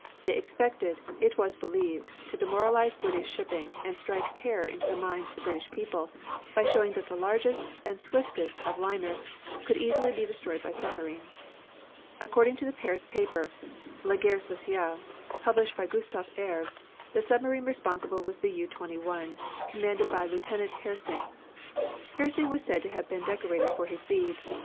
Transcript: They expected, it was believed, to demoralize British shipping and strike terror into the minds of the British people by showing that the largest and swiftest of liners could easily be destroyed by submarines. According to the Paris paper, La Guerre Sociale, published by Gustave Herve, the submarine responsible was the U 21, commanded by Lieutenant Hersing. Hersing was said to have been decorated for his deed.